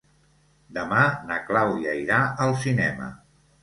Demà na Clàudia irà al cinema.